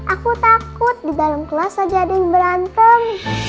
aku takut di dalam kelas saja ada yang berantem